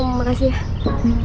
oh makasih ya